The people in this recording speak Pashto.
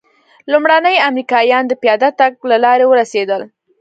لومړني امریکایان د پیاده تګ له لارې ورسېدل.